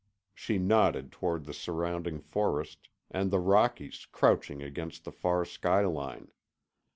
She nodded toward the surrounding forest, and the Rockies crouching against the far skyline.